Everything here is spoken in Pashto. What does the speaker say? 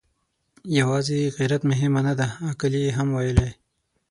يواځې غيرت مهمه نه ده، عقل يې هم ويلی.